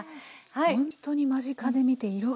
ほんとに間近で見て色がきれい。